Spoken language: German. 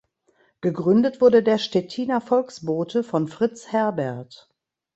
Gegründet wurde der „Stettiner Volksbote“ von Fritz Herbert.